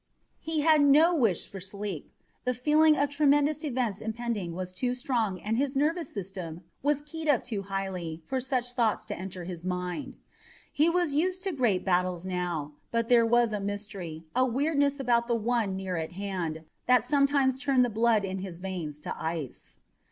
He had no wish to sleep. The feeling of tremendous events impending was too strong and his nervous system was keyed too highly for such thoughts to enter his mind. He was used to great battles now, but there was a mystery, a weirdness about the one near at hand that sometimes turned the blood in his veins to ice.